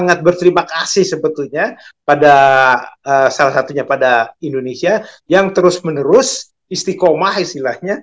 sangat berterima kasih sebetulnya pada salah satunya pada indonesia yang terus menerus istiqomah istilahnya